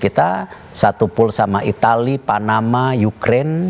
kita menang sama italia panama ukraine